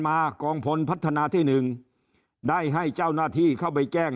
กองพลพัฒนาที่หนึ่งได้ให้เจ้าหน้าที่เข้าไปแจ้ง